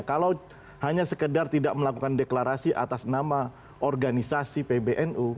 kalau hanya sekedar tidak melakukan deklarasi atas nama organisasi pbnu